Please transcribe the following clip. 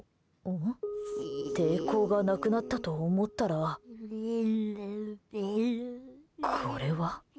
抵抗がなくなったと思ったらこ、これは。